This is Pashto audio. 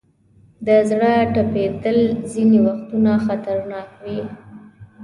د زړه ټپېدل ځینې وختونه خطرناک وي.